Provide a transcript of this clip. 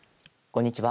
こんにちは。